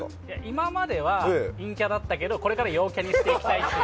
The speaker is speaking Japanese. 今までは陰キャだったけど、これからは陽キャにしていきたいっていう。